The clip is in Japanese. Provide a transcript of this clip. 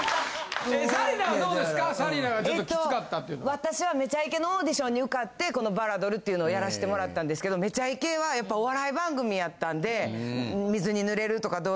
私は『めちゃイケ』のオーディションに受かってこのバラドルっていうのをやらしてもらったんですけど『めちゃイケ』はやっぱお笑い番組やったんで。